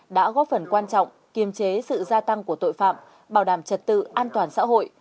đã góp phần quan trọng kiềm chế sự gia tăng của tội phạm bảo đảm trật tự an toàn xã hội